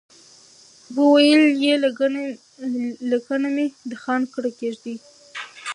وويل يې لکڼه مې د خان کړه کېږدئ.